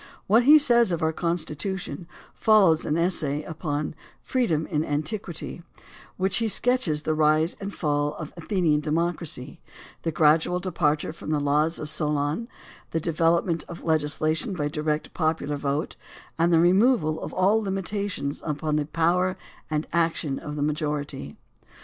What he says of our Con stitution follows an essay upon " Freedom in Antiquity," in which he sketches the rise and fall of Athenian de mocracy, the gradual departure from the laws of Solon, the development of legislation by direct popular vote, and the removal of all limitations upon the power and action of the majority.